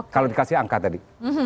kalau dikasih angka tadi